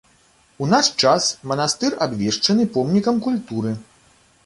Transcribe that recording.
У наш час манастыр абвешчаны помнікам культуры.